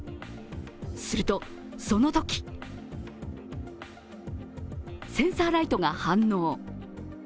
するとそのとき、センサーライトが反応。